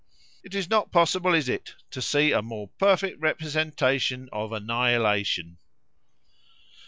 It is not possible, is it, to see a more perfect representation of annihilation?"